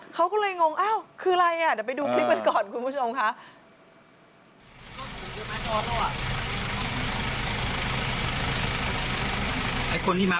เขาก็เลยงงอ้าวคืออะไร